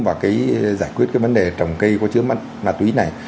và cái giải quyết cái vấn đề trồng cây có chứa ma túy này